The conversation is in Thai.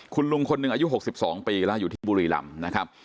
คุณลุงคนหนึ่งอายุ๖๒ปีแล้วอยู่ที่บุรีรำนะครับ